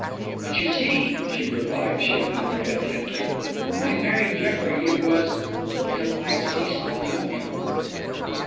"But you see," she replied, shaking her head gently, "when I married Jeffrey it was until I ceased to love him."